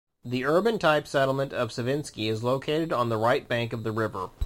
The urban-type settlement of Savinsky is located on the right bank of the river.